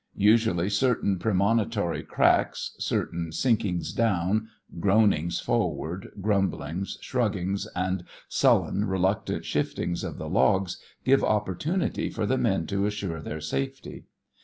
Usually certain premonitory cracks, certain sinkings down, groanings forward, grumblings, shruggings, and sullen, reluctant shiftings of the logs give opportunity for the men to assure their safety.